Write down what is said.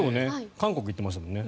韓国に行ってましたもんね。